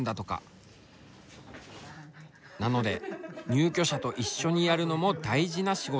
なので入居者と一緒にやるのも大事な仕事。